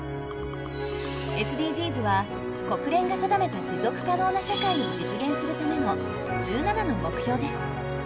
ＳＤＧｓは国連が定めた持続可能な社会を実現するための１７の目標です。